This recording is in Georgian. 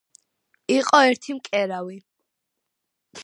იყო ერთი მკერავი,